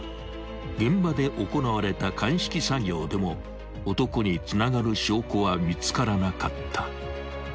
［現場で行われた鑑識作業でも男につながる証拠は見つからなかった］